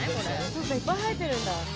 そうかいっぱい生えてるんだ。